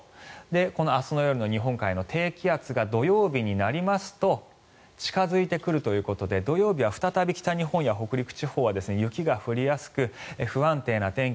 この明日の夜の日本海の低気圧が土曜日になりますと近付いてくるということで土曜日は再び北日本や北陸地方は雪が降りやすく不安定な天気